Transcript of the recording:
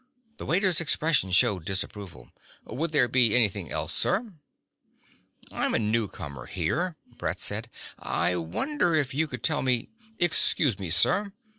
The waiter's expression showed disapproval. "Would there be anything else, sir?" "I'm a newcomer here," Brett said. "I wonder if you could tell me " "Excuse me, sir."